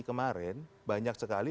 kemarin banyak sekali